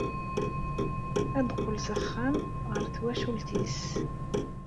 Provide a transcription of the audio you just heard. Ad teqqel s axxam, ɣer twacult-nnes.